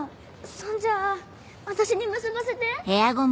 そんじゃあ私に結ばせて。